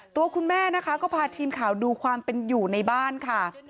ตัวคุณแม่นะคะก็พาทีมข่าวดูความเป็นอยู่ในบ้านค่ะ